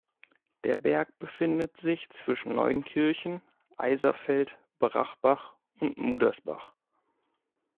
Der Berg befindet sich zwischen Neunkirchen, Eiserfeld, Brachbach und Mudersbach.